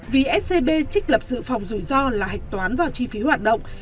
vì scb trích lập dự phòng rủi ro là hạch toán vào chi phí hoạt động